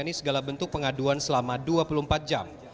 ini segala bentuk pengaduan selama dua puluh empat jam